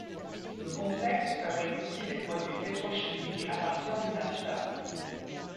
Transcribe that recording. Le complexe fabrique aussi des produits pétrochimiques à partir du naphta.